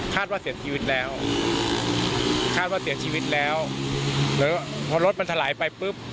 ว่าเสียชีวิตแล้วคาดว่าเสียชีวิตแล้วแล้วพอรถมันถลายไปปุ๊บ